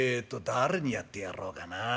誰にやってやろうかなあ。